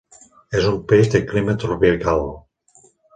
És un peix de clima tropical.